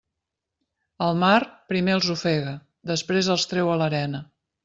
El mar, primer els ofega, després els treu a l'arena.